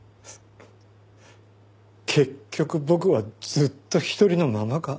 結局僕はずっと一人のままか。